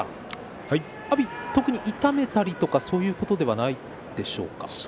阿炎、痛めたりそういうことではないでしょうか。